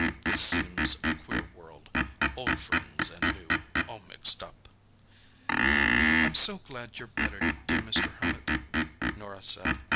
"This seems a queer world—old friends and new, all mixed up." "I'm so glad you're better, dear Mr. Hermit," Norah said.